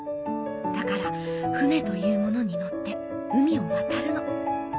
だから船というものに乗って海を渡るの」。